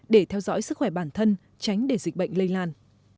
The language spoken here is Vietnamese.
để theo dõi sức khỏe bản thân tránh để dịch bệnh lây lan